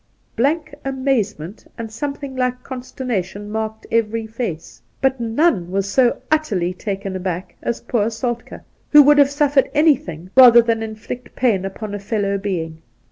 Blank amazement and some thing like consternation marked every face, but none was so utterly taken aback as poor Soltk^, who would have suffered anything rather than in flict pain upon a felloW being.